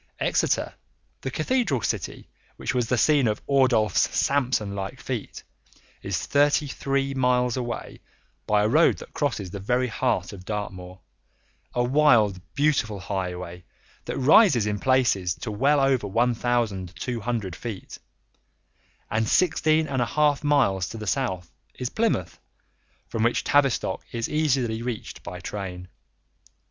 Exeter, the cathedral city which was the scene of Ordulph's Samson like feat, is thirty three miles away by a road that crosses the very heart of Dartmoor, a wild, beautiful highway that rises in places to well over 1,200 feet; and sixteen and a half miles to the south is Plymouth, from which Tavistock is easily reached by train.